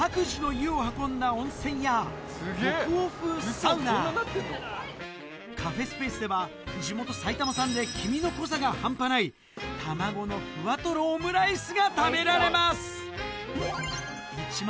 サウナカフェスペースでは地元埼玉産で黄身の濃さが半端ない卵のふわとろオムライスが食べられます